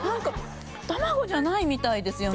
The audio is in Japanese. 卵じゃないみたいですよね。